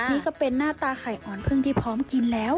นี่ก็เป็นหน้าตาไข่อ่อนพึ่งที่พร้อมกินแล้ว